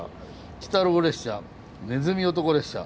鬼太郎列車ねずみ男列車。